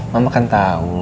mama kan tahu